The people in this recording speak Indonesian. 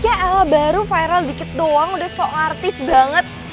ya ala baru viral dikit doang udah sok artis banget